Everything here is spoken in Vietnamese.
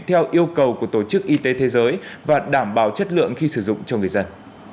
theo yêu cầu của tổ chức y tế thế giới và đảm bảo chất lượng khi sử dụng cho người dân